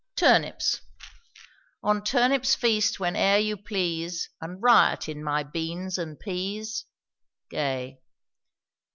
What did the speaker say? TURNIPS. On turnips feast whene'er you please, And riot in my beans and peas. GAY.